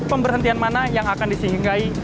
pemberhentian mana yang akan disihinggahi